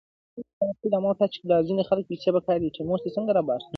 وارخطا یې ښي او کیڼ لور ته کتله،